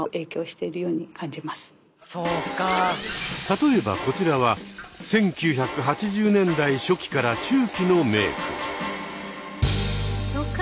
例えばこちらは１９８０年代初期から中期のメーク。